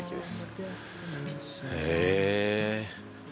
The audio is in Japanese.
へえ。